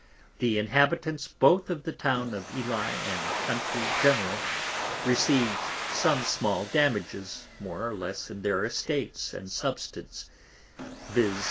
The Inhabitants both of the Town of Ely and Country general, receiv'd some small damages more or less in their Estates and Substance, _viz.